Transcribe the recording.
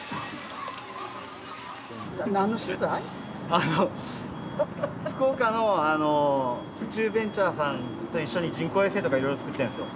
あの福岡の宇宙ベンチャーさんと一緒に人工衛星とかいろいろ作ってるんですよ。